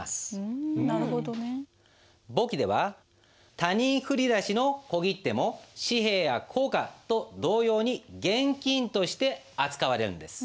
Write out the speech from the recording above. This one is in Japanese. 簿記では他人振り出しの小切手も紙幣や硬貨と同様に現金として扱われるんです。